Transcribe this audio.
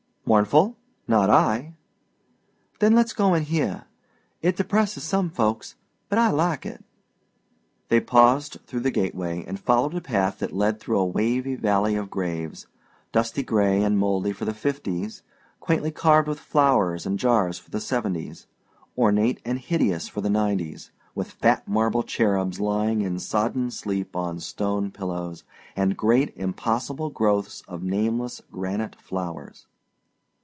"Mournful? Not I." "Then let's go in here. It depresses some folks, but I like it." They passed through the gateway and followed a path that led through a wavy valley of graves dusty gray and mouldy for the fifties; quaintly carved with flowers and jars for the seventies; ornate and hideous for the nineties, with fat marble cherubs lying in sodden sleep on stone pillows, and great impossible growths of nameless granite flowers.